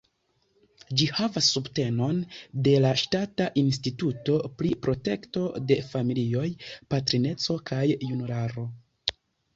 Ĝi havas subtenon de la Ŝtata Instituto pri Protekto de Familioj, Patrineco kaj Junularo.